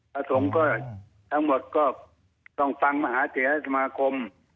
ประสงค์ก็ทั้งหมดก็ต้องฟังมหาเถระสมาคม